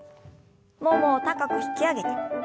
ももを高く引き上げて。